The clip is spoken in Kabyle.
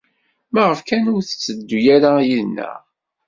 Maɣef kan ur tetteddu ara yid-neɣ?